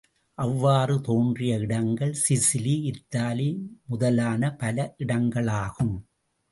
அவ்வாறு தோன்றிய இடங்கள் சிசிலி, இத்தாலி முதலான பல இடங்களாகும்.